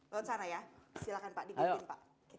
boleh ya pak